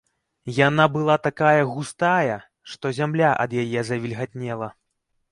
Яна была такая густая, што зямля ад яе завільгатнела.